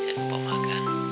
jangan lupa makan